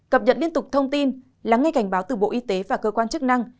cập nhật liên tục thông tin lắng nghe cảnh báo từ bộ y tế và cơ quan chức năng